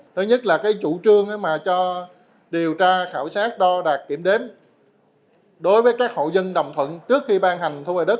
thứ nhất là chủ trương mà cho điều tra khảo sát đo đạt kiểm đếm đối với các hậu dân đồng thuận trước khi ban hành thu hồi đất